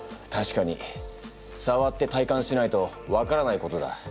たしかにさわって体感しないと分からないことだ。